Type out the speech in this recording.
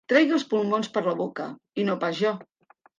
Tregui els pulmons per la boca, i no pas jo.